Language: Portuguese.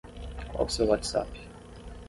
Qual o seu WhatsApp?